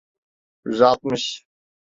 Yüz altmış.